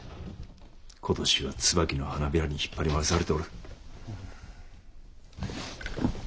今年は椿の花びらに引っ張り回されておる。